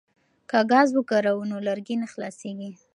که ګاز وکاروو نو لرګي نه خلاصیږي.